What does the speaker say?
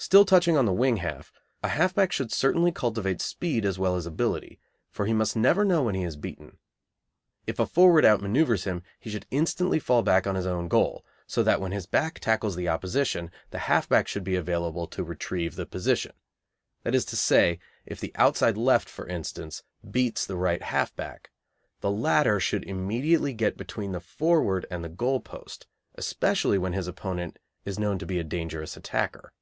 Still touching on the wing half, a half back should certainly cultivate speed as well as ability, for he must never know when he is beaten. If a forward outmanoeuvres him, he should instantly fall back on his own goal, so that when his back tackles the opposition the half back should be available to retrieve the position; that is to say, if the outside left, for instance, beats the right half back, the latter should immediately get between the forward and the goal post, especially when his opponent is known to be a dangerous attacker.